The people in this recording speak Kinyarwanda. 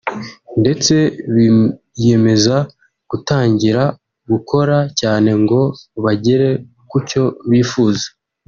ndetse biyemeza gutangira gukora cyane ngo bagere ku cyo bifuza